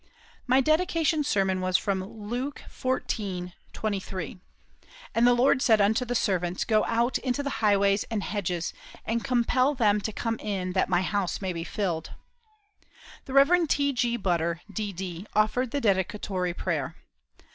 My dedication sermon was from Luke xiv. 23, "And the Lord said unto the servants, go out into the highways and hedges, and compel them to come in that my house may be filled." The Rev. T.G. Butter, D.D., offered the dedicatory prayer.